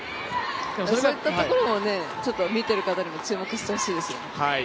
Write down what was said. そういったところも見ている方に注目してもらいたいですよね。